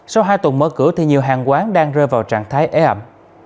sau hai tuần mở cửa thì nhiều hàng quán đang rơi vào trạng thái ế ẩm